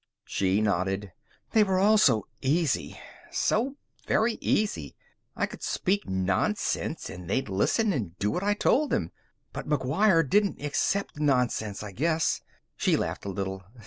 She nodded. "They were all so easy. So very easy. I could speak nonsense and they'd listen and do what I told them. But McGuire didn't accept nonsense, I guess." She laughed a little.